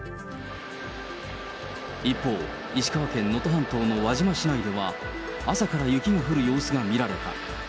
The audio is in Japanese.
一方、石川県能登半島の輪島市内では、朝から雪が降る様子が見られた。